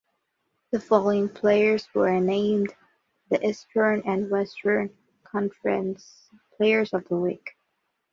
The following players were named the Eastern and Western Conference Players of the Week.